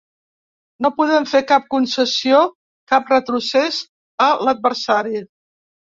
No podem fer cap concessió, cap retrocés, a l’adversari.